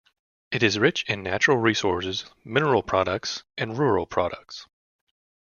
It is rich in natural resources, mineral products, and rural products.